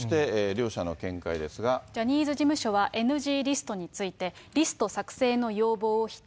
ジャニーズ事務所はＮＧリストについて、リスト作成の要望を否定。